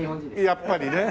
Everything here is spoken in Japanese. やっぱりね。